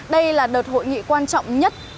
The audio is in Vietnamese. đây là đợt hội nghị quan trọng nhất